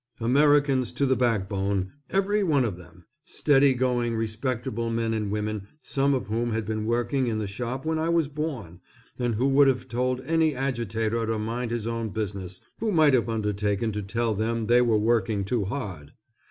Americans to the backbone, everyone of them! Steady going respectable men and women some of whom had been working in the shop when I was born, and who would have told any agitator to mind his own business, who might have undertaken to tell them they were working too hard.